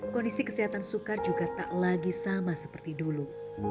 kondisi kesehatan sukar juga tak lagi sama seperti dulu